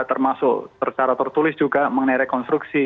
termasuk secara tertulis juga mengenai rekonstruksi